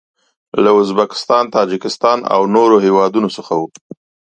له ازبکستان، تاجکستان او نورو هیوادو څخه و.